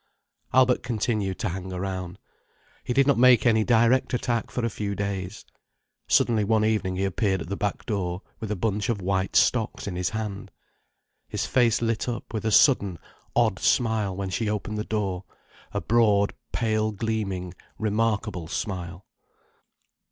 Albert continued to hang around. He did not make any direct attack for a few days. Suddenly one evening he appeared at the back door with a bunch of white stocks in his hand. His face lit up with a sudden, odd smile when she opened the door—a broad, pale gleaming, remarkable smile.